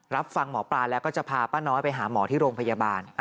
รับฟังหมอปลาแล้วก็จะพาป้าน้อยไปหาหมอที่โรงพยาบาล